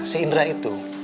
si indra itu